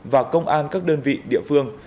và công an các đơn vị địa phương